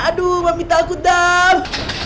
aduh mami takut dam